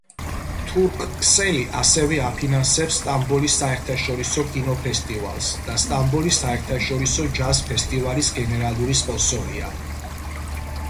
თურქსელი ასევე აფინანსებს სტამბოლის საერთაშორისო კინოფესტივალს და სტამბოლის საერთაშორისო ჯაზ-ფესტივალის გენერალური სპონსორია.